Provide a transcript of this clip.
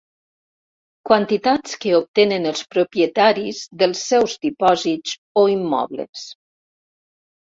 Quantitats que obtenen els propietaris dels seus dipòsits o immobles.